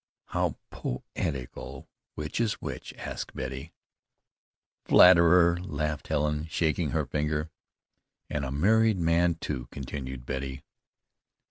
"How poetical! Which is which?" asked Betty. "Flatterer!" laughed Helen, shaking her finger. "And a married man, too!" continued Betty.